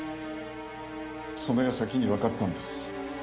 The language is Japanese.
その矢先にわかったんです。